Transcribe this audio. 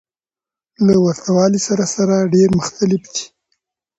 له ورته والي سره سره ډېر مختلف دى.